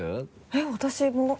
えっ私も？